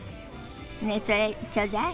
ねえそれちょうだい。